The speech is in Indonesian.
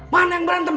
mana yang berantem